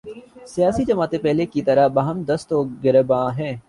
سیاسی جماعتیں پہلے کی طرح باہم دست و گریبان ہیں۔